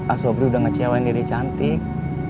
asobri udah ngecewain diri cantik